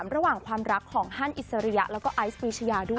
ระหว่างความรักของฮันอิสริยะแล้วก็ไอซ์ปีชยาด้วย